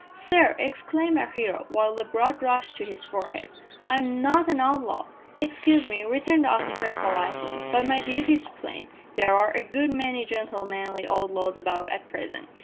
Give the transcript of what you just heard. "Sir!" exclaimed our hero, while the blood rushed to his forehead, "I am not an outlaw!" "Excuse me," returned the officer politely, "but my duty is plain. There are a good many gentlemanly outlaws about at present.